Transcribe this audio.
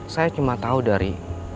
saya cuma tahu dari